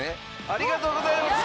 ありがとうございます！